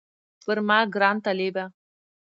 پر ما ګران طالبه